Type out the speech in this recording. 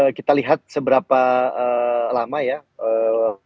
jadi kita lihat seberapa lama ya kebakaran ini